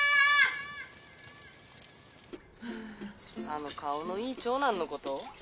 あの顔のいい長男のこと？